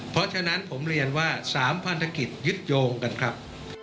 เพราะฉะนั้นผมเรียนว่า๓พันธกิจยึดโยงกันครับ